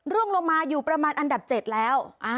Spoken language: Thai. ร่วงลงมาอยู่ประมาณอันดับ๗แล้ว